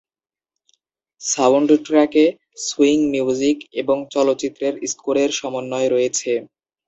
সাউন্ডট্র্যাকে swing music এবং চলচ্চিত্রের স্কোরের সমন্বয় রয়েছে।